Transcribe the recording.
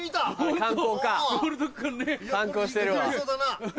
観光してるわ。